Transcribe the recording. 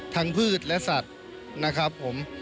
พืชและสัตว์นะครับผม